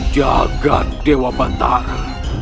jagat dewa batara